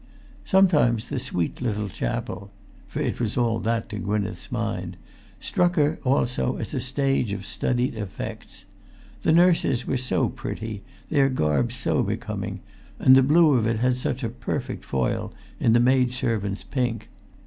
Sometimes the sweet little chapel—for it was all that to Gwynneth's mind—struck her also as a stage of studied effects. The nurses were so pretty, their garb so becoming, and the blue of it had such a perfect foil in the maid servants' pink.